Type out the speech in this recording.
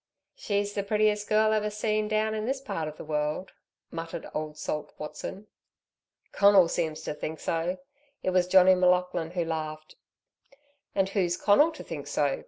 "She's the prettiest girl ever seen down this part of the world," muttered old Salt Watson. "Conal seems to think so." It was Johnnie M'Laughlin who laughed. "And who's Conal to think so?